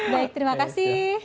baik terima kasih